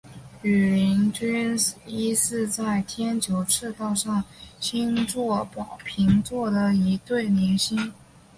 羽林军一是在天球赤道上的星座宝瓶座的一对联星。